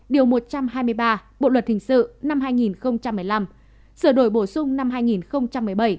điều một trăm hai mươi ba bộ luật hình sự năm hai nghìn một mươi năm sửa đổi bổ sung năm hai nghìn một mươi bảy